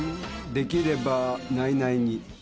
できれば内々に。